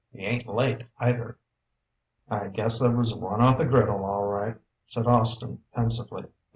"He ain't late, either." "I guess that was one off the griddle, all right," said Austin pensively.